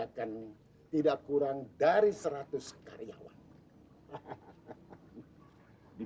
hai binengine sama